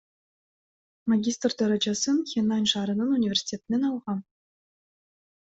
Магистр даражасын Хэнань шаарынын университетинен алгам.